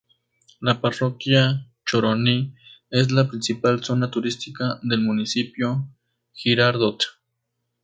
La Parroquia Choroní es la principal zona turística del municipio "Girardot".